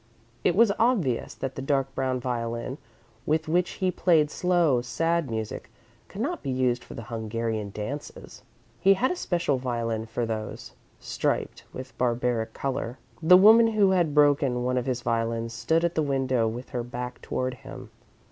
It was obvious that the dark brown violin with which he played slow, sad music could not be used for the Hungarian Dances. He had a special violin for those, striped with barbaric colour. The woman who had broken one of his violins stood at the window with her back toward him.